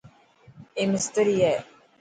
اي مستري هي.